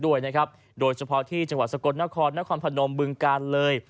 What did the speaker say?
ด้วยนะครับโดยเฉพาะที่จังหวัดสะกดนครนครพนมบึงการเลย